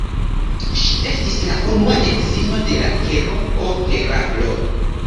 Ŝi estis la unua edzino de la heroo Heraklo.